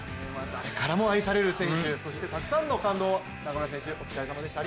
誰からも愛される選手そしてたくさんの感動を中村選手、お疲れ様でした。